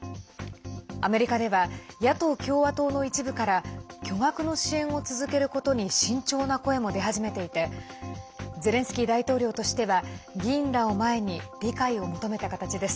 アメリカでは野党・共和党の一部から巨額の支援を続けることに慎重な声も出始めていてゼレンスキー大統領としては議員らを前に理解を求めた形です。